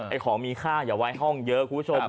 ของมีค่าอย่าไว้ห้องเยอะคุณผู้ชม